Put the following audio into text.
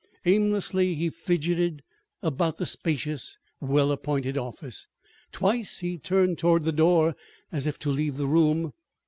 Aimlessly he fidgeted about the spacious, well appointed office. Twice he turned toward the door as if to leave the room.